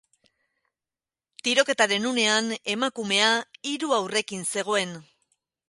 Tiroketaren unean, emakumea hiru haurrekin zegoen.